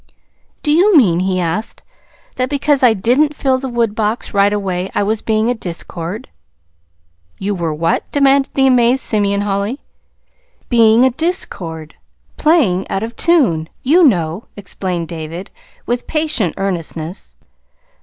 "Do you mean," he asked, "that because I didn't fill the woodbox right away, I was being a discord?" "You were what?" demanded the amazed Simeon Holly. "Being a discord playing out of tune, you know," explained David, with patient earnestness.